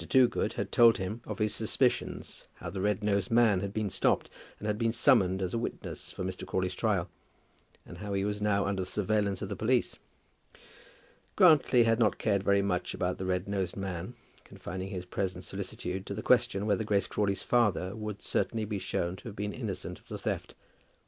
Toogood had told him of his suspicions, how the red nosed man had been stopped, and had been summoned as a witness for Mr. Crawley's trial, and how he was now under the surveillance of the police. Grantly had not cared very much about the red nosed man, confining his present solicitude to the question whether Grace Crawley's father would certainly be shown to have been innocent of the theft.